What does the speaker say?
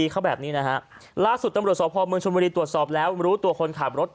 ความดันขึ้นเบาหวานขึ้นมันมอบตัวครับ